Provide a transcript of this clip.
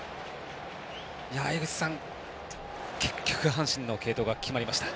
井口さん、結局、阪神の継投が決まりました。